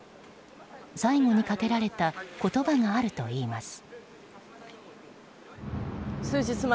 最後にかけられた言葉があるといいます。